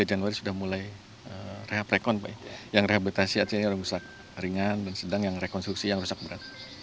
tiga januari sudah mulai rehab rekon yang rehabilitasi artinya rusak ringan dan sedang yang rekonstruksi yang rusak berat